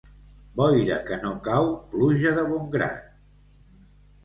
Boira que no cau, pluja de bon grat.